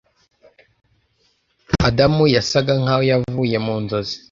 Adamu yasaga nkaho yavuye mu nzozi